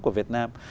của việt nam